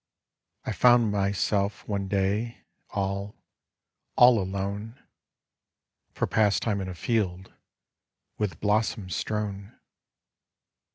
I found myself one day all, all alone, For pastime in a field with blossoms strewn.